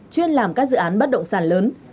chuyên làm các dự án bất động sản lớn